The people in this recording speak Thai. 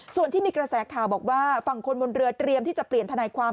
ส่วนที่มีกระแสข่าวบอกว่าฝั่งคนบนเรือเตรียมที่จะเปลี่ยนทนายความ